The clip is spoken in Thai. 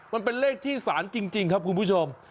มันเป็นเลขที่สารจริงครับคุณผู้ชม